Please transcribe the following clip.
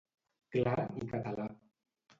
Clar i català.